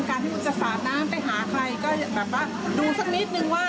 การที่คุณจะสาดน้ำไปหาใครก็ดูสักนิดหนึ่งว่า